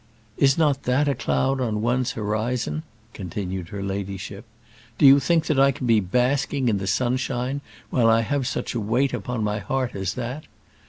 "Is not that a cloud on one's horizon?" continued her ladyship. "Do you think that I can be basking in the sunshine while I have such a weight upon my heart as that?